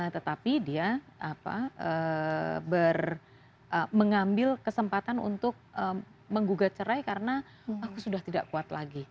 tetapi dia mengambil kesempatan untuk menggugat cerai karena aku sudah tidak kuat lagi